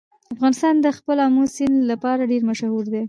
افغانستان د خپل آمو سیند لپاره ډېر مشهور دی.